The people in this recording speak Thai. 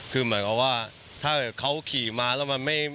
คือหมายความว่าถ้าเขาขี่มาแล้ว